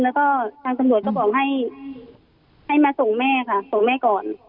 แล้วก็ทางตำรวจก็บอกให้มาส่งแม่ค่ะส่งแม่ก่อน